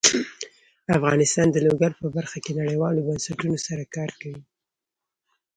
افغانستان د لوگر په برخه کې نړیوالو بنسټونو سره کار کوي.